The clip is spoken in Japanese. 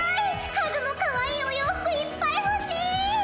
ハグもかわいいお洋服いっぱい欲しい！